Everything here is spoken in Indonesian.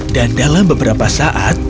dan dalam beberapa saat